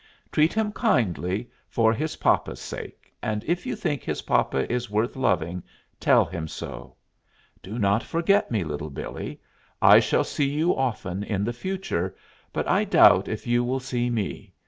Treat him kindly for his papa's sake, and if you think his papa is worth loving tell him so. Do not forget me, Little Billee. I shall see you often in the future, but I doubt if you will see me.